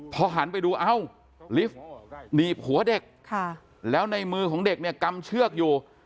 พอหันไปดูเอ้าลิฟต์หนีบหัวเด็กแล้วในมือของเด็กเนี่ยกำเชือกอยู่